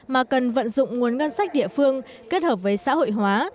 mà cần vận dụng nguồn ngân sách địa phương kết hợp với xã hội hóa